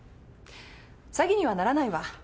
詐欺にはならないわ。